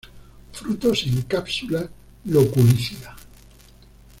Frutos en cápsula loculicida.